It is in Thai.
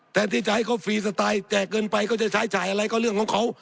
แทนที่จะให้เขาฟรีสไตล์แจกเงินไปเขาจะใช้จ่ายอะไรก็เรื่องของเขา